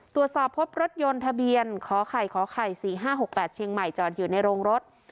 ตรวจสอบพบรถยนต์ทะเบียนขอไข่ขอไข่๔๕๖๘เชียงใหม่จอดอยู่ในโรงรถ